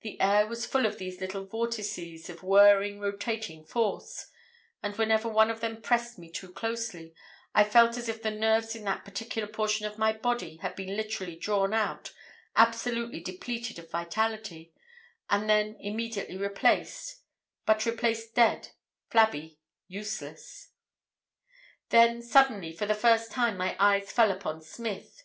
The air was full of these little vortices of whirring, rotating force, and whenever one of them pressed me too closely I felt as if the nerves in that particular portion of my body had been literally drawn out, absolutely depleted of vitality, and then immediately replaced—but replaced dead, flabby, useless. "Then, suddenly, for the first time my eyes fell upon Smith.